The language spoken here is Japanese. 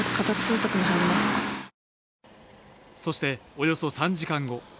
そして、およそ３時間後。